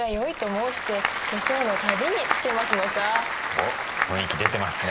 おっ雰囲気出てますね。